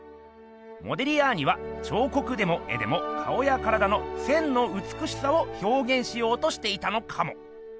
モディリアーニは彫刻でも絵でも顔や体の線のうつくしさを表現しようとしていたのかも。